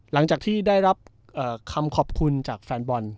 หลังจากที่ได้รับคำขอบคุณจากแฟนบอล